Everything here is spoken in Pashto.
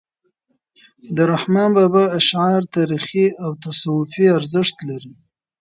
د رحمان بابا اشعار تاریخي او تصوفي ارزښت لري .